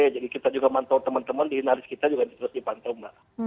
jadi kita juga mantul teman teman di naris kita juga terus dipantau mbak